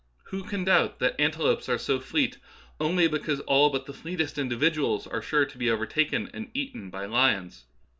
Who can doubt that antelopes are so fleet only because all but the fleetest individuals are sure to be over taken and eaten by lions